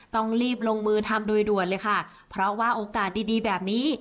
ต้องรีบลงมือทำโดยด่วนเลยค่ะเพราะว่าโอกาสดีดีแบบนี้